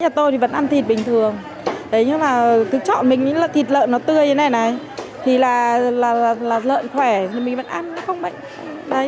nhà tôi vẫn ăn thịt bình thường nhưng mà cứ chọn mình những thịt lợn nó tươi như thế này này thì là lợn khỏe mình vẫn ăn nó không bệnh